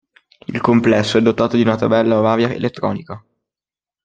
Il complesso è dotato di una tabella oraria elettronica.